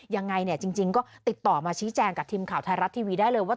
ยังไงเนี่ยจริงก็ติดต่อมาชี้แจงกับทีมข่าวไทยรัฐทีวีได้เลยว่า